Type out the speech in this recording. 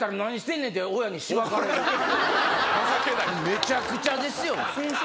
めちゃくちゃですよ。